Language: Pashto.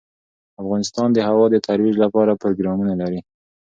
افغانستان د هوا د ترویج لپاره پروګرامونه لري.